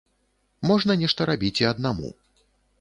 Можна нешта рабіць і аднаму.